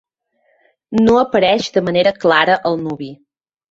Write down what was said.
No apareix de manera clara el nuvi.